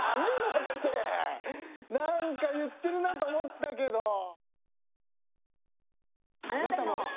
何かいってるなと思ったけど。